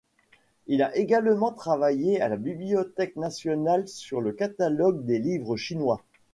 Il a également travaillé à la Bibliothèque nationale sur le catalogue des livres chinois.